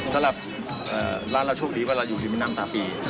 สำหรับร้านเราโชคดีว่าเราอยู่ริมแม่น้ำตาปี